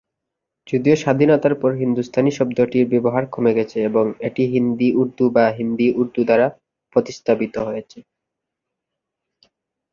যদিও স্বাধীনতার পর 'হিন্দুস্তানি' শব্দটির ব্যবহার কমে গেছে, এবং এটি 'হিন্দি', 'উর্দু' বা 'হিন্দি-উর্দু' দ্বারা প্রতিস্থাপিত হয়েছে।